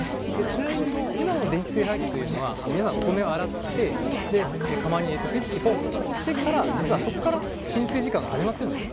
ちなみに今の電気炊飯器は皆さん、お米を洗って釜に入れてスイッチ、ポンしてから実はそこから浸水時間が始まってるんです。